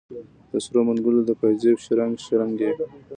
د سرو منګولو د پایزیب شرنګ، شرنګ یې